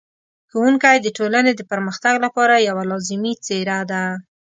ښوونکی د ټولنې د پرمختګ لپاره یوه لازمي څېره ده.